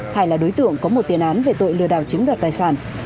hải là đối tượng có một tiền án về tội lừa đảo chất lọt tài sản